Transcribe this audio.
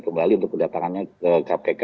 kembali untuk kedatangannya ke kpk